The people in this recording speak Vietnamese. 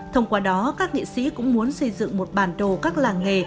thông qua đó các nghệ sĩ cũng muốn xây dựng một bản đồ các làng nghề